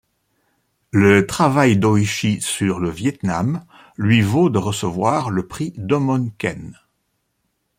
Le travail d'Ōishi sur le Vietnam lui vaut de recevoir le prix Domon Ken.